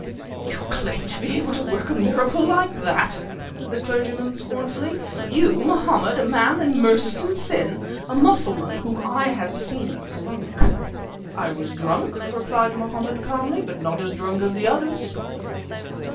"You claim to be able to work a miracle like that!" said the clergyman scornfully. "You, Mohammed, a man immersed in sin, a Mussulman whom I have seen drunk!" "I was drunk," replied Mohammed calmly, "but not as drunk as others."